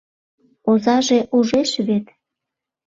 - Озаже ужеш вет.